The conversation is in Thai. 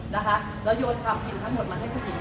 แล้วโยนความผิดทั้งหมดมาให้ผู้หญิง